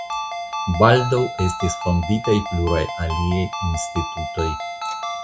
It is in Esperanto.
Baldaŭ estis fonditaj pluraj aliaj institutoj.